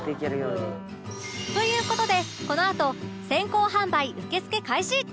という事でこのあと先行販売受け付け開始